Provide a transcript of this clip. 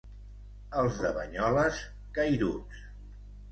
Els de Banyoles, cairuts.